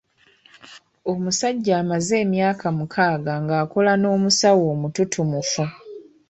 Omusajja amaze emyaka mukaaga ng’akola n’omusawo omututumufu.